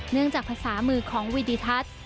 เนื่องจากภาษามือของวิดิทัศน์